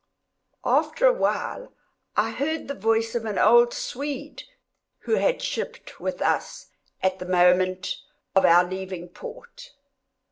After a while, I heard the voice of an old Swede, who had shipped with us at the moment of our leaving port.